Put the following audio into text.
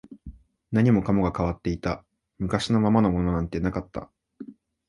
何もかもが変わっていた、昔のままのものなんてなかった